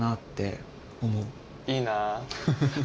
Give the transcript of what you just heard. いいな。